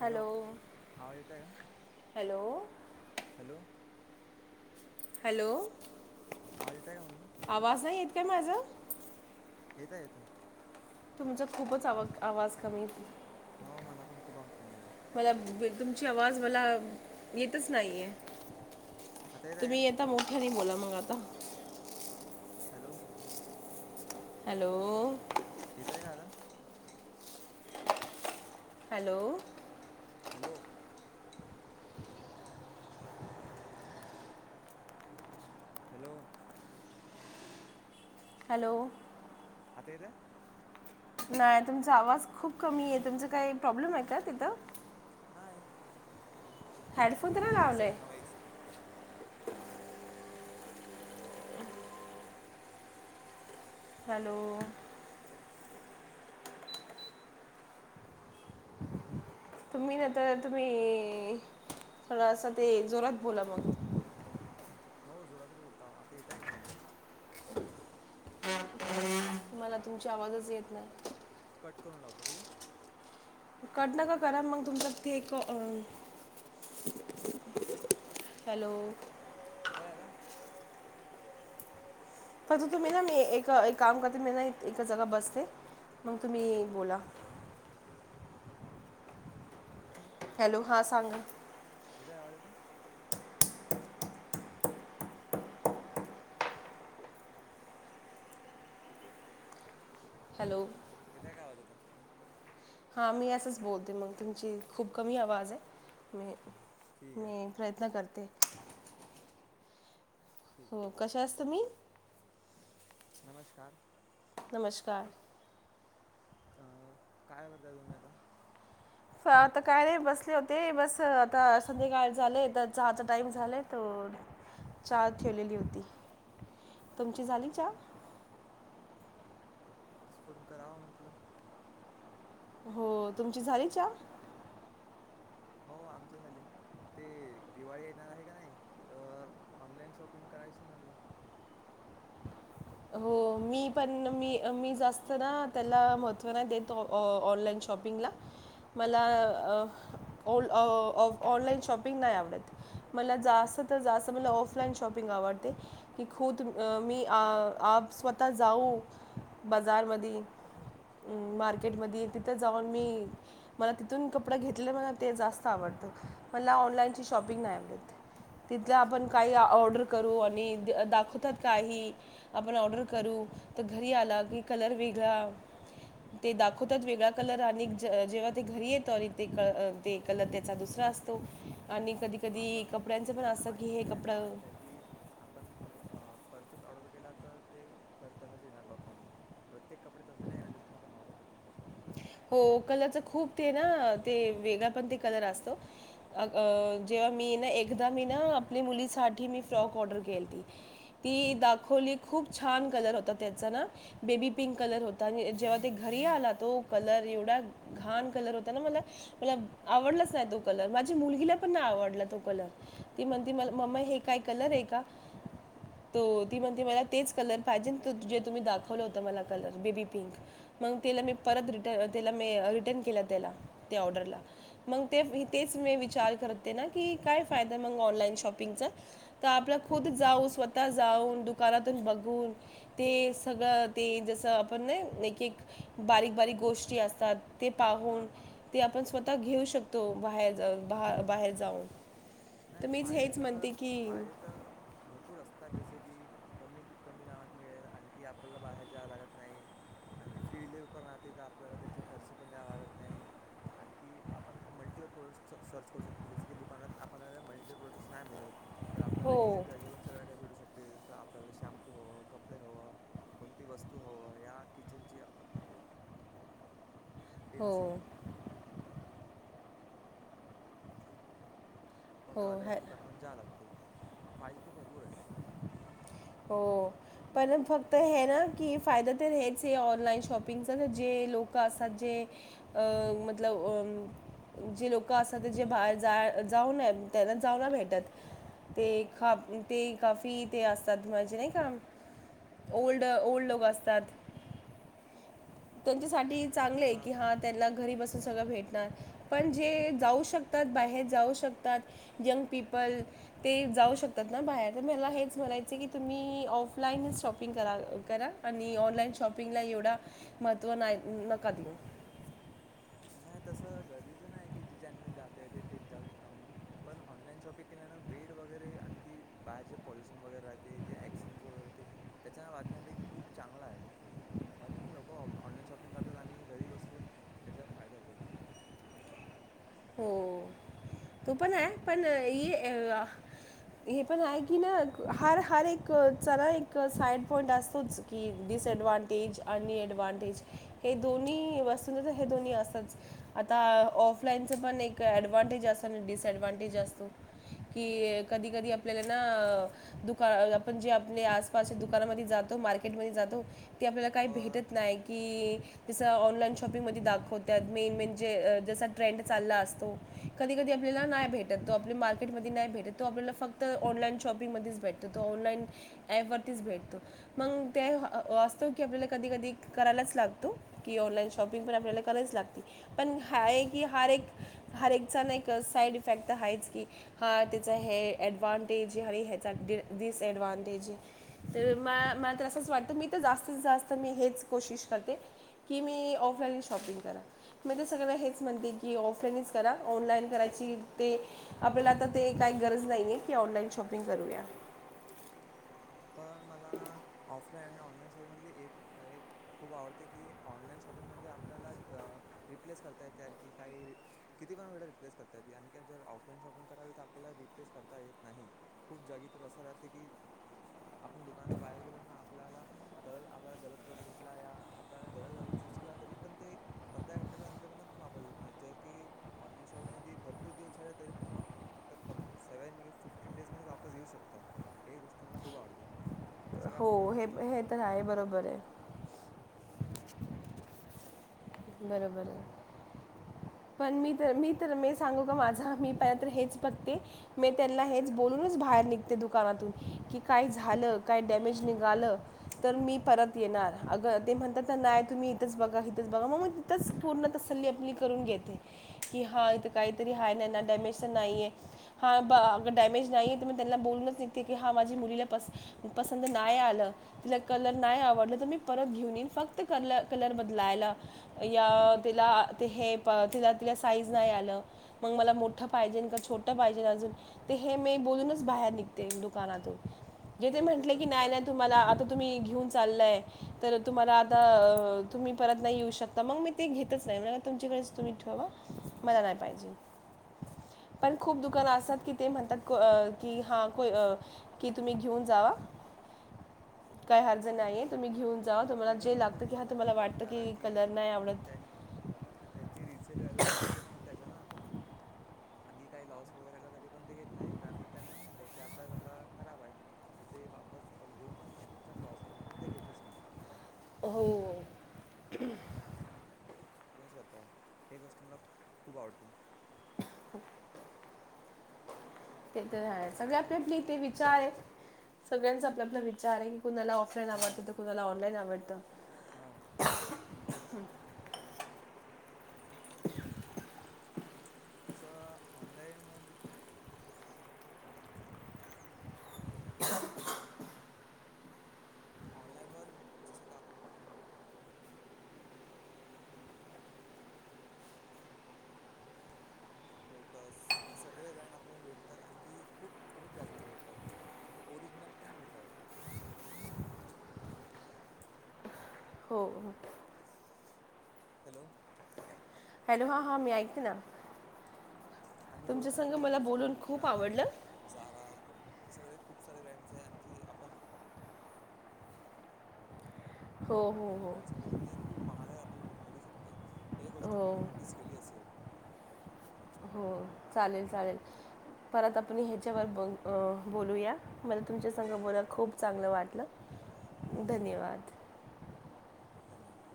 Hello आवाज येत आहे का [inaudible] हॅलो [inaudible] हॅलो हॅलो अवाझ याटो का माझा ते मा्हाझ येत येत तुमच खूपच आ आवाज कमी येतोय. हो मला पण खूप आवडतं मे मला ब- तुमची आवाज मला येतच नाहीये. आता येत [inaudible] आहे का तुम्ही यता मोठ्यानी बोला मग आता. हॅलो. हॅलो. येतेय का अता. हॅलो. हॅलो. हॅलो. हॅलो. अता येतोय. नाय तुमचा आवाज खूप कमी ये तुमच काही प्रॉब्लेम आहे का तिथं. हाय हेडफोन तर नाय लावलयं. Second hello. तुम्ही ना तर तुम्ही थोडासा ते जोरात बोला मग. हो जोरातचं बोलताव आता येतयं का म्हणलं. मला तुमची आवाजच येत नाय. कट करून लावतो ठीक आहे. कट नका करा मग तुमच एक अ [inaudible] हॅलो काय झाला. पर तुम्ही ना मी एक काम करते मी ना ए जगा बसते मग तुम्ही बोला. हो. हॅलो हा सांग. येतोय आवाज येतो. हॅलो येतो का आवाज आता. हा मी असंच बोलते मग तुमची खूप कमी आवाज आहे. म ठीक आहे मी प्रयत्न करते. ठीक आहे हो कशास तुम्ही. नमस्कार. नमस्कार. अ काय करताय तुम्ही आता. आता काय नाही बसले होते बस आता संध्याकाळ झाले तर चहाचा टाइम झालाय त चहा ठेवलेली होती तुमची झाली चहा. आज फोन करावा म्हटलं. हो तुमची झाली चहा. हो आमचे झाले ते दिवाळी येणार आहे का नाही तर ऑनलाईन शॉपिंग करायच म्हटलं. हो मी पण मी मी जास्त ना त्याला महत्व नाही देत ऑनलाईन शॉपिंगला मला ऑनलाईन शॉपिंग नाही आवडत मला जास्त तर जास्त मला ऑफलाईन शॉपिंग आवडते की खुद मी आप स्वतः जाऊ बाजारमध्ये मार्केटमधी तिथं जाऊन मी मला तिथून कपडा घेतले मला ते जास्त आवडतं. मला ऑनलाईनची शॉपिंग नाय आवडतं. तिथल्या अच्छा आपण काही ऑर्डर करू. मी दाखवतात काही आपण ऑर्डर करू, तर घरी आला की, कलर वेगळा ते दाखवतात वेगळा कलर आणि ज जेव्हा ते घरी येतो आणि ते क ते कलर त्याचा दुसरा असतो आणि कधी कधी आपण कपड्यांचं पण ज्यांना असं माह की हे त्यांना कपडं माहित आहे की आपण ऑर्डर के तर ते कर तसच येणार म्हणून प्रत्येक कपडे तस नाही येणार जस आपण ऑर्डर करतो तस हो कलरच खूप ते ना ते वेगळा पण ते कलर असतो, जेव्हा मी ना एकदा मी ना आपल्या मुलीसाठी मी फ्रॉक ऑर्डर केलीती दाखवली खूप छान कलर होता त्याचा ना बेबी पिंक कलर होता जेव्हा ते घरी आला तो- कलर एवढा घाण कलर होता ना, मला मला आवडलाच नाही तो कलर, माझी मुलगीला पण नाही आवडला तो कलर, ती म्हणते म्मा हे काय कलर आहे का त ती म्हणते मला तेच कलर पाहिजे जे तुम्ही दाखवलं होत मला कलर बेबी पिंक मग त्याला मी त्याला रिटन केला त्याला त्या ऑर्डरला मग ते तेच मी विचार करत ते ना की, काय फायदा म ऑनलाईन शॉपिंग तर आपल्या खु जाऊ स्वतः जाऊन दुकानातून बघून ते सगळं ते जस आपण ना एक बारीक बारीक गोष्टी असतात. ते हां पाहून हां ते आपण स्वतः घेऊ शक शकतो, बाहेर जाऊन बाहेर जाऊन- तर नाही मीच फायदे हेच तर म्हणते की फायदे तर भरपूर असतात जसे की, कमी कमी नामात मिळेल आणखी आपल्याला बाहेर जा्यावं लागत नाही, आणखी फ्री डिलेवर्ह पण राहते तर आपल्याला त्याचा खर्च पण द्यावा लागत नाही, आणखी आपण मल्टीपल प्रोडक्ट सर्च करू शकतो जस की, दुकानात आपण मल्टट स्नाॅपट [unintelligible] तर आपल्याला हो एच जागेवरून सगळ्या काय भेटु शकतो. आपल्याला शॅम्पू हवं, कपडे हवं, कोणती वस्तू हवं या किचनची- हो. पेन्सिल हो तेल्या ह दुकान म्हण जा लागते [unintelligible] फायदे तर भरपूर आहे. हो पण फक्त हे ना की, फायदा तर हेच हे ऑनलाईन शॉपिंगचा तर जे लोक असतात, जे अ मतलब जे लोक असतात, जे बाहेर जा- जाऊन त्यांना जाऊना भेटत ते ते काफी ते असतात म्हणजे नाही का, ओल्ड ओल्ड लोक असतात. त्यांच्यासाठी- चांगले हां की हां हा त्यांना घरी बस- सगळं भेटणार पण जे जाऊ शकतात, बाहेर जाऊ शकतात यंग पीपल ते जाऊ शकतात ना, बाहेर तर मला हेच म्हणायचं की तुम्ही ऑफलाईन शॉपिंग करा, करा आणि ऑनलाईन शॉपिंगला एवढा महत्त्व नाही, नका दिऊ. नाही तसं गरजेचं नाही आहे की, जे ज्यांना जात आहे ते तेच जाऊ शकता, म्हणून पण ऑनलाईन शॉपिंग केल्यानं वेळ वगैरे आणखी बाहेर जे पॉल्युशन वगैरे राहते, जे ऍक्सिडेन्स वगैरे होते त्याच्या वाचण्यासाठी खूप चांगला आहे, म्हणून लोक ऑनलाईन शॉपिंग करतात आणि घरी बसून त्याच्या फायदा मिलतो. हो तो पण आहे, पण हे पण आहे की, ना हर हर एक चला एक साइड पॉइंट असतोच कि, डिसएडव्हांटेज आणिएडव्हटेज हे दोन्ही वस्तू हे दोन्ही असतच आता ऑफलाईन- पण एक ऍडव्हांटेज अस डिसडवटेज असतो की, कधी कधी आपल्याला ना दुका आपण जे आप आसपासच्या दुकानामध्ये जातो मार्केट म जातो. ती आपल्याला काही पण भेटत नाही की, तस ऑनलाईन शॉपिंग म दाखवतात मेन म्हणजे जसा ट्रेंड चालला असतो, कधी कधी आपल्याला नाही भेटत, तो आपले मार्केटमध्ये नाही भेटत, तो आपल्याला फक्त ऑनलाईन शॉपिंगमध्येच भेटत, तो ऑनलाईन ॲपवरतीच भेटतो मग ते असतो की, आपल्याला कधी कधी करायलाच लागतो की, ऑनलाईन शॉपिंग पण आपल्याला करायच लागते पण हा आहे की हार एक हर एकचा ना एक साईड इफेक्ट आहेच की, हा त्याचा हे डव्हांटेज आणि ह्याचा डिसएडवांटेज आहे तर म मला तर असंच वाटतं, मी तर जास्तीत जास्त मी हेच कोशिश करते, की मी ऑफलाईन शॉपिंग करा मी तर सगळ्यांना हेच म्हणते की ऑफलाईनच करा. ऑनलाईन करायची ते आपल्याला आता ते काही गरज नाही, आहे की ऑनलाईन शॉपिंग करूया. पण मला ऑफलाईन- ऑनलाईन शॉपिंग म एक एक खूप आवडते की ऑनलाईन शॉपिंग मध्ये आपल्याला रिप्ले [unintelligible] [inaudible] स करता येते आणखी काही किती पण वेळे रिप्लेस करता येते, आणखी जर ऑफलाईन शॉपिंग करावी तर आपल्याला रिप्लेस करता येत नाही, खूप जागी तर असं राहते की. आपण दुकानाच्या बाहेर गेलो ना आपल्याला गत आपल्याला गलत प्रोडक्ट भेटला या आपल्याला गलत झा चूज केला तरी पण ते अर्ध्या घंट्याच्या अरर पण वापस घेत नाही, जर की ऑनलाईन शॉपिंग मध्ये भरपूर दिवस झाले, तरी पण सेव्हन फिफ्टीन डेज म [unintelligible] ये वापस घेऊ शकतात, हे गोष्ट मला खूप आवडते. [inaudible] हो, आहे हे तुमच्यावर हे तर आहे बरोबर आहे. बरोबर पण मी तर मी तर मी सांगू का माझा मी प तर हेच बघते- मी त्यांना याचं हेच काय बोलूनच बाहेर निघते दुकानातून. कि काय झालं काय डॅमेज निघालं तर मी परत येणार, अग ते म्हणतात तर नाही, तुम्ही इथच बघा इथच बघा मग. तथ पूर्ण तसल्ली आपली करून घेते कि हा इथ काहीतरी आहेा नाही ना डॅमेज तर नाहीये हा अग डॅमेज नाहीये तर मी त्यांना बोलूनच निघते की हा माझी मुलीला पस पसंद नाही, आलं तिला कलर नाही आवडलं, तर मी परत घेऊन येईन फक्त कल कलर बदलायला. या तिला ते हे तिला तिला साईज नाही आलं, मग मला मोठ पाहिजे का छोटं पाहिजे अजून ते हे मी बोलूनच बाहेर निघते दुकानातून. जे हो ते म्हटले तर की नाही होतात नाही तुम्हाला आता तुम्ही घेऊन. चाललंय तर तुम्हाला आता तुम्ही परत नाही येऊ शकता. मग मी ते घेतच नाही म्ह तुमच्याकडे तुम्ही ठेवा मला नाही पाहिजे, पण खूप दुकान असतात की ते म्हणतात, कि हा कि तुम्ही घेऊन जा काही अर्ज नाहीय हो तुम्ही घेऊन. जा तुम्हाला ते तर जे भरपूर लागत की हा दुकानं तुम्हाला करतात वाटतं की कारण कलर. आवडत त्यांची रिसेल व्हॅल्यू वाढते ना मग त्याच्यान. आणखी काही लॉस वगैरेला तरी पण ते घेत नाही, कारण की त्यांना वाटत की आपला कपडा खराब आहे, तर ते वापस घेऊनचा लॉस आहे म्हणून ते घेतच नाही. हो. करत हे गोष्ट मला खूप आवडते. ह [unintelligible] ते तर सगळे आपले आपले इथे विचार आहेत, सगळ्यांचा आपलापला विचार आहे. कुणाला ऑफलाईन हां आवडत, तर कुणाला ऑनलाईन आवडत. हां [unintelligible] तसं ऑनलाईन मध्ये. [unintelligible] ऑनलाइन वर जस का. लोटस सगळे ब्रँड आपल्याला भेटतात, आणखी खूप कमी प्राईज मध्ये भेटतात, आणि ओरिजिनल पण मिळतात. हो हो. हॅलो [unintelligible] हॅलो हा हा मी ऐकते ना. आणि तुमच्या ओरिजिनल संग पण मला म्हज बोलून निशा खूप आवडलं जारा. हे सगळे खूप सारे ब्रँडस आहे आणखी आपण. हो हो ओरिजनल हो गण्यासाठी तर ते खूप महाारगा. मिळू शकते [unintelligible] हे गोष्ट तुम्ही हो नोटीस केली असेल. हो चालेल चालेल परत आपण ह्याच्यावर ब बोलूया, मला तुमच्या संघ बोलायला खूप चांगलं वाटलं धन्यवाद. धन्यवाद